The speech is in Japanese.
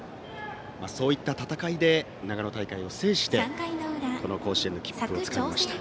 そういった戦いで長野大会を制してこの甲子園の切符をつかみました。